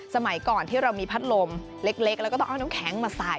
สมัยก่อนที่เรามีพัดลมเล็กแล้วก็ต้องเอาน้ำแข็งมาใส่